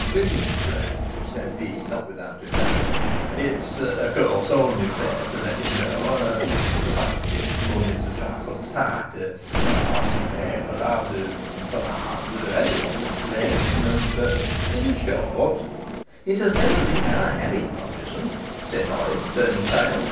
'O, Finsbury,' said he, not without embarrassment, 'it's of course only fair to let you know the fact is, money is a trifle tight I have some paper out for that matter, every one's complaining and in short ' 'It has never been our habit, Rodgerson,' said Morris, turning pale.